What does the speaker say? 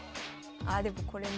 あでもこれな。